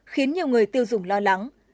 nhiều người tiêu dùng lo lắng